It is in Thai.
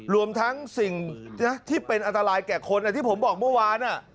รวมทั้งสิ่งที่เป็นอันตรายแก่คนที่ผมบอกเมื่อวาน